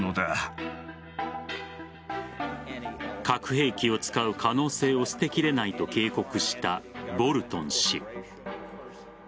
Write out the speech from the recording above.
核兵器を使う可能性を捨てきれないと警告したボルトン氏。